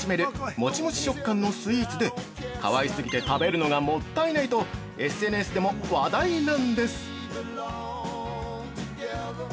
もちもち食感のスイーツで「可愛すぎて食べるのがもったいない」とＳＮＳでも話題なんです。